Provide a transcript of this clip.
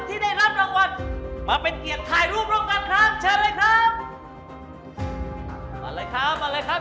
ที่ได้รับรางวัลมาเป็นเกียรติถ่ายรูปรองการครับ